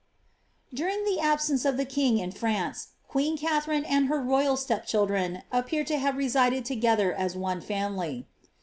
During the absence of the king in France, queen Katharine and her royal step children appear to have resided together as one family.